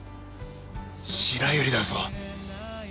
白百合だぞ。